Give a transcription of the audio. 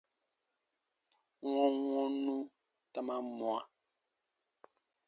Wɔnwɔnnu ta man mwa.